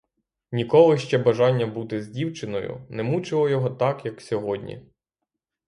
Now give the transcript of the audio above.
Ніколи ще бажання бути з дівчиною не мучило його так, як сьогодні.